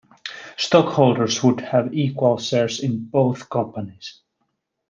Stockholders would have equal shares in both companies.